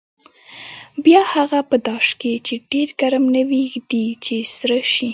بیا هغه په داش کې چې ډېر ګرم نه وي ږدي چې سره شي.